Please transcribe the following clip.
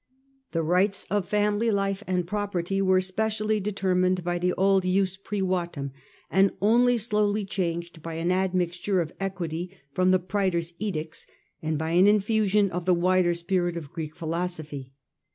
The rights of family life and property were specially de termined by the old Jus Privatum and only slowly changed by an admixture of equity from the Praetors' Edicts, and by an infusion of the wider spirit of Greek philosophy.